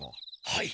はい。